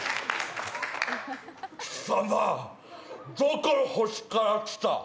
貴様、どこの星から来た？